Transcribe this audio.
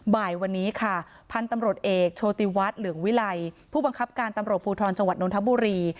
บ่ายวันนี้ค่ะพันธุ์ตำรวจเอกโชติวัฒน์เหลืองวิลัยผู้บังคับการตำรวจภูทรจังหวัดนทบุรี